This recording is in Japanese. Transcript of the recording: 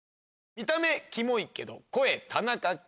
「見た目キモいけど声田中圭」